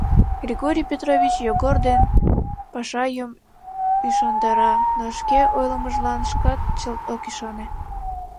— Григорий Петрович Йогор ден Пашайым ӱшандара, но шке ойлымыжлан шкат чылт ок ӱшане.